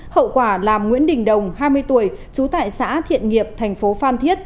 hậu quả làm nguyễn đình đồng hai mươi tuổi trú tại xã thiện nghiệp thành phố phan thiết